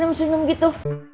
kenapa lo senyum senyum gitu